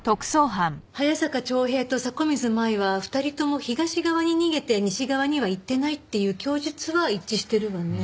早坂長平と迫水舞は２人とも東側に逃げて西側には行ってないっていう供述は一致してるわね。